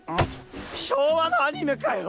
昭和のアニメかよ